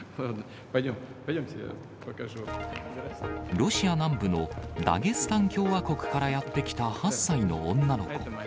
ロシア南部のダゲスタン共和国からやって来た８歳の女の子。